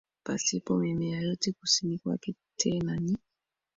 pasipo mimea yote Kusini kwake tena ni